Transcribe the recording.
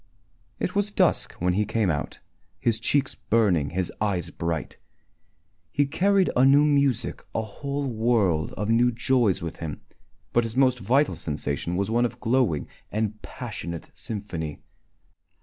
It was dusk when he came out, his cheeks burning, his eyes bright. He carried a new music, a whole world of new joys with him, but his most vital sensation was one of glowing and passionate sympathy.